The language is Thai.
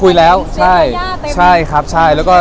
อื้อแต่เราก็ได้คุยกับย้าใช่มั้ยคะ